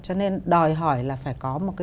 cho nên đòi hỏi là phải tự tìm tòi và sản xuất